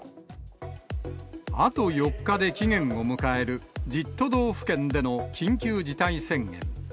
あと４日で期限を迎える、１０都道府県での緊急事態宣言。